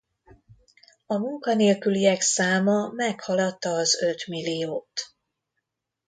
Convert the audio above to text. A munkanélküliek száma meghaladta az ötmilliót.